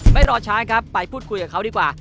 ไม่รอช้าครับไปพูดคุยกับเขาดีกว่า